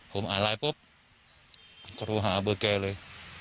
ผมอ่านไลน์ปุ๊บก็โทรหาเบอร์แกเลย